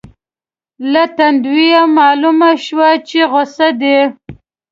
له تندو یې مالومه شوه چې غصه دي.